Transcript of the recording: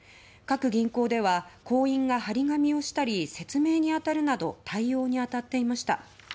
各銀行では行員が貼り紙をしたり説明に当たるなど対応に当たっていました。